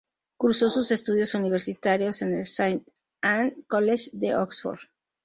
Cursó sus estudios universitarios en el St Anne's College de Oxford.